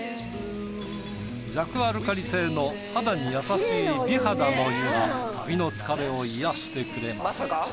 弱アルカリ性の肌に優しい美肌の湯が旅の疲れを癒やしてくれます。